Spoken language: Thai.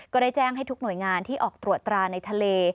ก็ได้แจ้งให้ทุกหน่วยงานที่ออกตรวจตราในทะเล